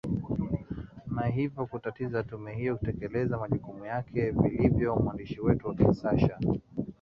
na hivyo kutatiza tume hiyo kutekeleza majukumu yake vilivyo mwandishi wetu wa kinshasa